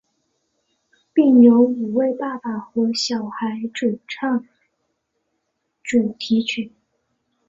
并由五位爸爸和小孩主唱主题曲。